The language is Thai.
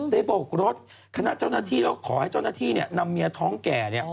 โบกรถคณะเจ้าหน้าที่แล้วขอให้เจ้าหน้าที่นำเมียท้องแก่